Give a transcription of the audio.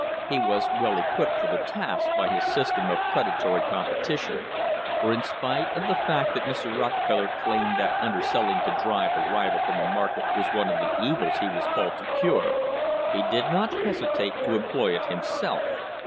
He was well equipped for the task by his system of "predatory competition," for in spite of the fact that Mr. Rockefeller claimed that underselling to drive a rival from a market was one of the evils he was called to cure, he did not hesitate to employ it himself.